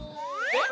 えっ！？